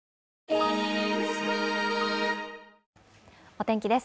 お天気です。